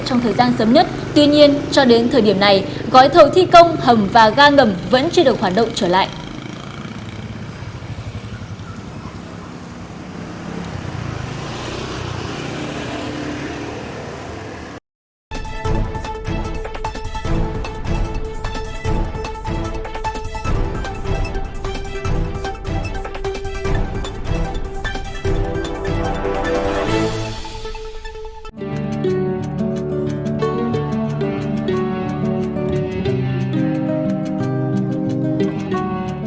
hãy đăng ký kênh để ủng hộ kênh của chúng mình nhé